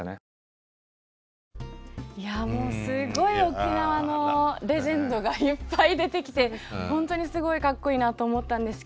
いやもうすごい沖縄のレジェンドがいっぱい出てきて本当にすごいかっこいいなと思ったんですけど